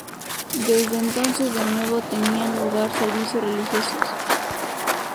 Desde entonces de nuevo tenían lugar servicios religiosos.